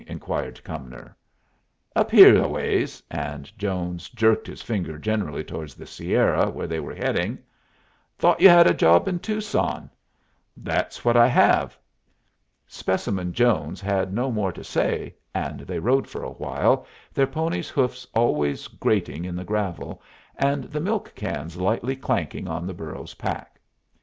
inquired Cumnor. "Up here a ways." And Jones jerked his finger generally towards the Sierra, where they were heading. "Thought you had a job in Tucson." "That's what I have." Specimen Jones had no more to say, and they rode for a while, their ponies' hoofs always grating in the gravel, and the milk cans lightly clanking on the burro's pack.